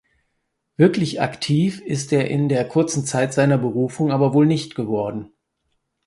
Wirklich aktiv ist er in der kurzen Zeit seiner Berufung aber wohl nicht geworden.